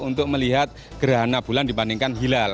untuk melihat gerah nabulan dibandingkan hilal